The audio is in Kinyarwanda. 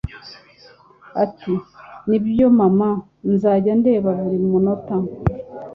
Ati: "Nibyo mama, nzajya ndeba buri munota.